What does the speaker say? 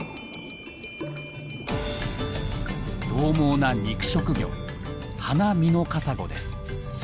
どう猛な肉食魚ハナミノカサゴです。